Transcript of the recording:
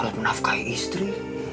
taruh menafkahi istri